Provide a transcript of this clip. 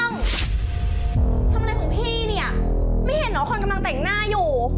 ไม่เห็นเหรอว่าคนกำลังแต่งหน้าอยู่